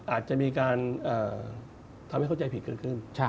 อาจจะมีการทำให้เข้าใจผิดเกิดขึ้น